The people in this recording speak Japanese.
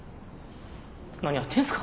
何やってんすか？